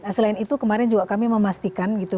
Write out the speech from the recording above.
selain itu kemarin juga kami memastikan gitu